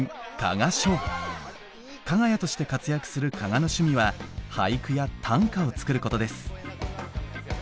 かが屋として活躍する加賀の趣味は俳句や短歌を作ることです。